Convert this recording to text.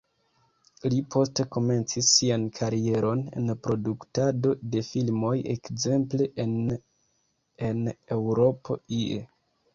Li poste komencis sian karieron en produktado de filmoj, ekzemple en En Eŭropo ie.